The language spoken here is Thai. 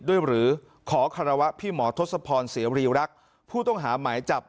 หรือขอคารวะพี่หมอทศพรเสรีรักษ์ผู้ต้องหาหมายจับ